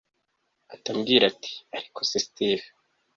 ahita ambwira ati ariko se steve